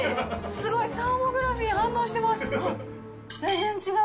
すごい、サーモグラフィ反応してます。